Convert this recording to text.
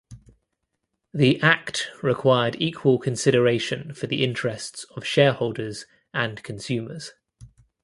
The Act required equal consideration for the interests of shareholders and consumers.